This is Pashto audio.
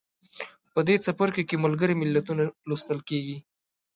په دې څپرکي کې ملګري ملتونه لوستل کیږي.